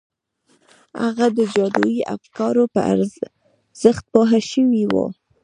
هغه د جادویي افکارو په ارزښت پوه شوی و